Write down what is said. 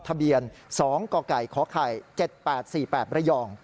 ทะเบียน๒กข๗๘๔๘ระย่อง